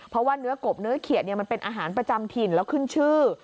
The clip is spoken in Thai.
เพราะว่าเนื้อกบเนื้อเขียดมันเป็นอาหารประจำถิ่นแล้วขึ้นชื่อ